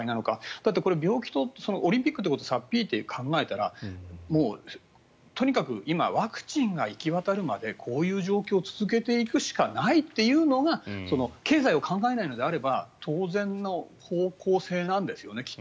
だって、病気とオリンピックということを差っ引いて考えたらもうとにかく今、ワクチンが行き渡るまでこういう状況を続けていくしかないというのが経済を考えないのであれば当然の方向性なんですよね。